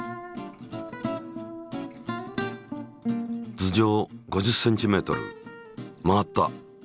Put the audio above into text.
頭上５０ｃｍ回った。